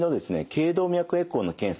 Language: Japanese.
頸動脈エコーの検査